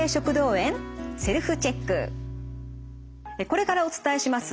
これからお伝えします